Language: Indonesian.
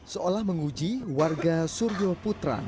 seolah menguji warga suryo putra